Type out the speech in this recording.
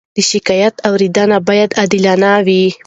د شکایت اورېدنه باید عادلانه وي.